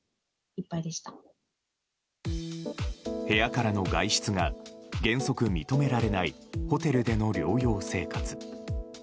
部屋からの外出が原則認められないホテルでの療養生活。